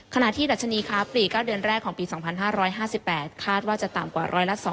ขณะที่ดัชนีค้าปลีก๙เดือนแรกของปี๒๕๕๘คาดว่าจะต่ำกว่า๑๒